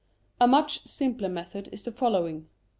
A much simpler method is the following.